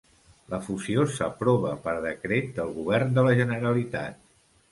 La fusió s'aprova per decret del Govern de la Generalitat.